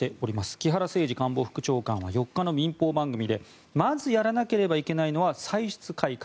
木原誠二官房副長官は４日の民放番組でまずやらなければいけないのは歳出改革。